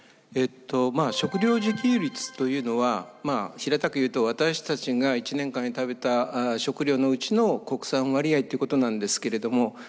えっとまあ食料自給率というのは平たく言うと私たちが１年間に食べた食料のうちの国産割合ってことなんですけれども。